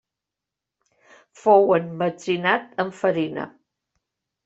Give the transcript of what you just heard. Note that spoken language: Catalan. Fou emmetzinat amb farina.